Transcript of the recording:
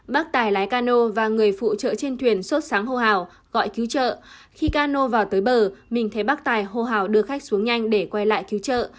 bác tài lái cano và người phụ trợ trên thuyền sốt sáng hô hào gọi cứu trợ khi cano vào tới bờ mình thấy bác tài hô hào đưa khách xuống nhanh để quay lại cứu trợ